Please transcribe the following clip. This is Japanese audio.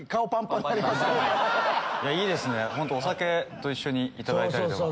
いいですねお酒と一緒にいただいたりとか。